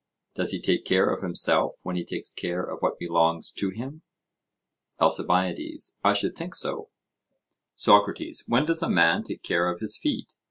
Does he take care of himself when he takes care of what belongs to him? ALCIBIADES: I should think so. SOCRATES: When does a man take care of his feet?